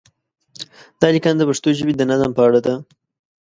دا لیکنه د پښتو ژبې د نظم په اړه ده.